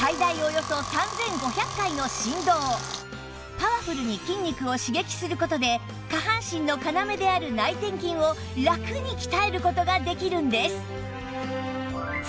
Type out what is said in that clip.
パワフルに筋肉を刺激する事で下半身の要である内転筋をラクに鍛える事ができるんです